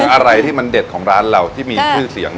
อะไรที่มันเด็ดของร้านเราที่มีชื่อเสียง